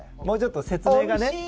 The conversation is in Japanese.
もうちょっと説明がね。